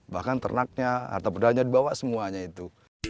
bahkan ternaknya harta bedanya dibawa semuanya itu